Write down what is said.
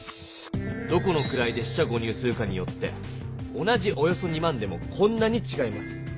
どこの位で四捨五入するかによって同じ「およそ２万」でもこんなにちがいます。